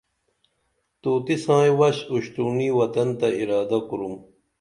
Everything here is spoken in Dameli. طوطی سائں وش اُشتُرونی وطن تہ ارادہ کُرُم